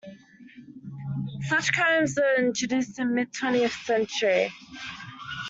Such combs were introduced in the mid-twentieth century.